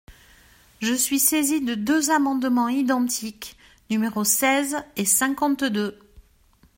Je suis saisie de deux amendements identiques, numéros seize et cinquante-deux.